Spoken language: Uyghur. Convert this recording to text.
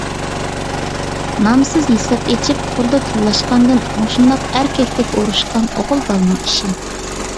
نامسىز ھېساپ ئېچىپ توردا تىللاشقاندىن مۇشۇنداق ئەركەكتەك ئۇرۇشقان ئوغۇل بالىنىڭ ئىشى.